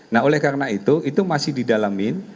nah oleh karena itu itu masih didalamin